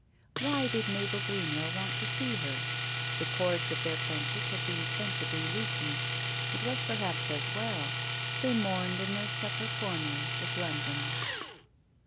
Why did Mabel Green well want to see her? The cords of their friend ship had been sensibly loosened. It was perhaps as well. They mourned in their separate corners — of London.